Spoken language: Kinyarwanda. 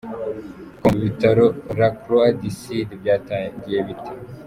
com: Ibitaro La croix du sud byatangiye bite?.